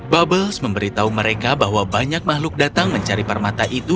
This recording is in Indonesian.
bubbles memberitahu mereka bahwa banyak makhluk datang mencari permata itu